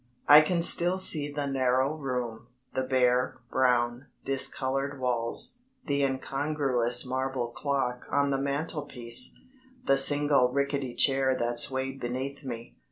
I can still see the narrow room, the bare, brown, discoloured walls, the incongruous marble clock on the mantel piece, the single rickety chair that swayed beneath me.